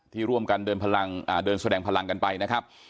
ที่ร่วมกันเดินพลังอ่าเดินแสดงพลังกันไปนะครับ